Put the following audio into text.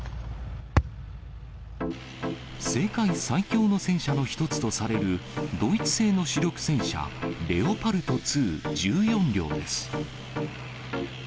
世界最強の戦車の１つとされるドイツ製の主力戦車、レオパルト２、１４両です。